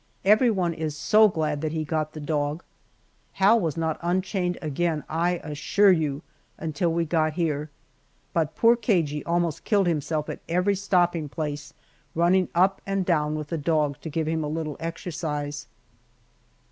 Everyone is so glad that he got the dog. Hal was not unchained again, I assure you, until we got here, but poor Cagey almost killed himself at every stopping place running up and down with the dog to give him a little exercise.